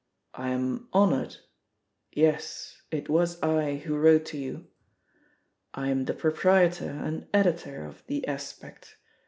"I am honoured. Yes, it was I who wrote to you. I am the proprietor and editor of The Aspect.